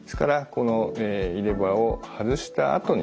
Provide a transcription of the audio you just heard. この入れ歯を外したあとにですね